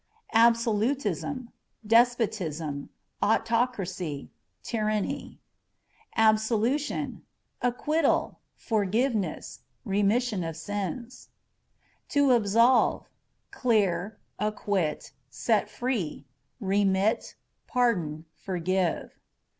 Absolutism â€" despotism, autocracy, tyranny. Absolution â€" acquittal, forgiveness, remission of sins. To Absolve â€" clear, acquit, set free ; remit ; pardon, forgive.